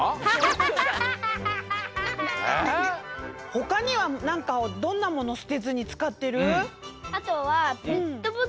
ほかにはなんかどんなものすてずにつかってる？